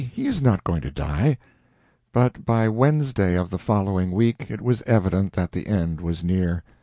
He is not going to die." But by Wednesday of the following week it was evident that the end was near.